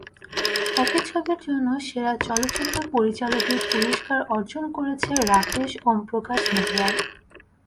একই ছবির জন্য সেরা চলচ্চিত্র পরিচালকের পুরস্কার অর্জন করেছেন রাকেশ ওমপ্রকাশ মেহরা।